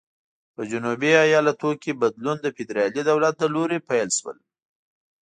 په جنوبي ایالتونو کې بدلون د فدرالي دولت له لوري پیل شول.